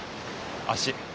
足。